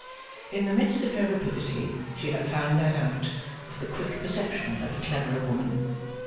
In the midst of her rapidity, she had found that out with the quick perception of a cleverer woman.